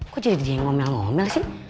kok jadi yang ngomel ngomel sih